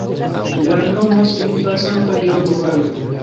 La nomo signifas Sankta Georgo-valo.